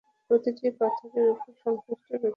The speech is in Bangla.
প্রতিটি পাথরের উপর সংশ্লিষ্ট ব্যক্তির নাম লেখা ছিল।